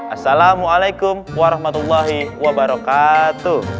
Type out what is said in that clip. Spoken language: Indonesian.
assalamualaikum warahmatullahi wabarakatuh